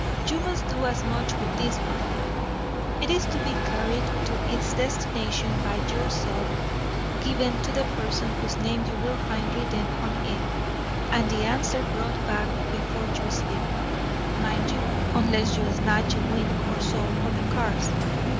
You must do as much with this one. It is to be carried to its destination by yourself, given to the person whose name you will find written on it, and the answer brought back before you sleep, mind you, unless you snatch a wink or so on the cars.